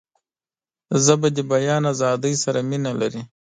ژبه د بیان آزادۍ سره مینه لري